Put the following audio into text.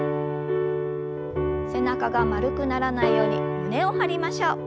背中が丸くならないように胸を張りましょう。